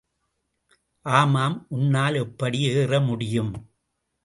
ஆமாம், உன்னால் எப்படி ஏற முடியும்?